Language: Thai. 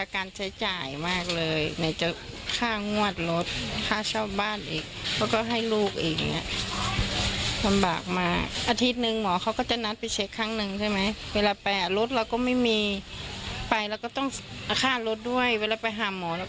ครั้งหนึ่งก็๒พันกว่า๓พัน